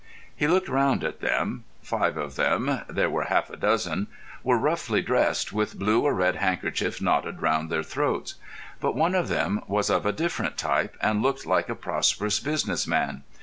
He looked round at them. Five of them—there were half a dozen—were roughly dressed, with blue or red handkerchiefs knotted round their throats; but one of them was of a different type, and looked like a prosperous business man.